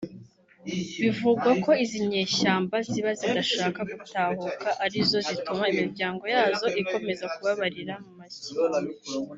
Bivugwa ko izi nyshyamba ziba zidashaka gutahuka ari zo zituma imiryango yazo ikomeza kubabarira mu mashyamba